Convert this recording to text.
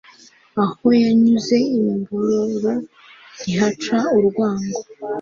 Aho yanyuze imbororo ntihaca urwango.